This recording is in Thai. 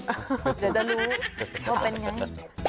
เดี๋ยวจะรู้ว่าเป็นไง